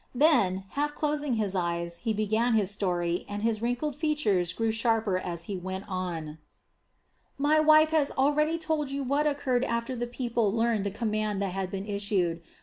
Then, half closing his eyes, he began his story and his wrinkled features grew sharper as he went on: "My wife has already told you what occurred after the people learned the command that had been issued.